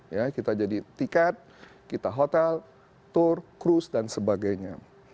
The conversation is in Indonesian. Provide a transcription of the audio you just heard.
ya kita jadi tiket kita hotel tour cruise dan sebagainya